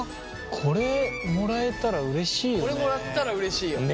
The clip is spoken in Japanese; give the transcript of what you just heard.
これもらえたらうれしいよね。